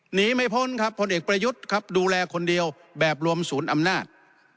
หนีไม่พ้นครับผลเอกประยุทธ์ครับดูแลคนเดียวแบบรวมศูนย์อำนาจ